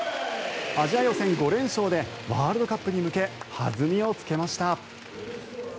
アジア予選５連勝でワールドカップに向け弾みをつけました。